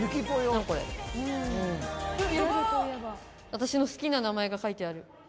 私の好きな名前が書いてある。